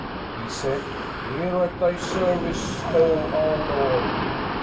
He said, "Here at thy service, O our lord."